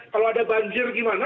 kalau ada banjir bagaimana